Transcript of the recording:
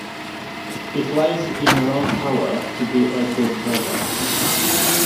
It lies in your own power to be Edgar’s brother!